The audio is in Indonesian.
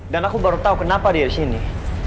dan aku baru tau kenapa dia disini